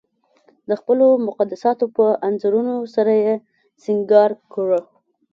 د خپلو مقدساتو په انځورونو سره یې سنګار کړه.